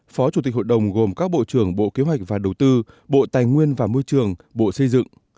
phó chủ tịch hội đồng gồm các bộ trưởng bộ kế hoạch và đầu tư bộ tài nguyên và môi trường bộ xây dựng